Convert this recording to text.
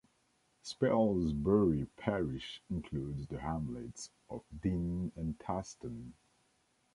Spelsbury parish includes the hamlets of Dean and Taston.